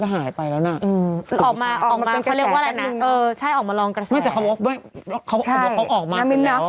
เขาอยู่ออกมาก็คือแล้ว